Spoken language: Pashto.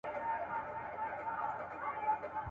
په څپوکي يې رزمونه `